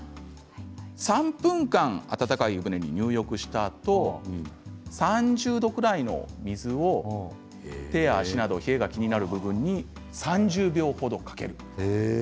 ３分間、温かい湯船に入浴したあと３０度くらいの水を手や足など冷えの気になる部分に３０秒程かける。